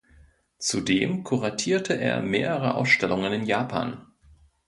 Zudem kuratierte er mehrere Ausstellungen in Japan.